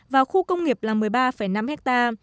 vào khu công nghiệp là một mươi ba